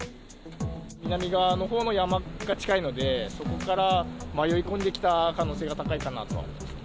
南側のほうの山が近いので、そこから迷い込んできた可能性が高いかなと。